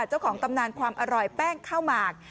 เจ้าของตำนานความอร่อยแป้งข้าวหมาก